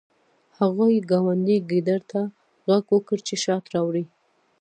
هغې ګاونډي ګیدړ ته غږ وکړ چې شات راوړي